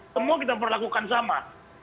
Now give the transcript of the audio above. semua kita perlakukan sama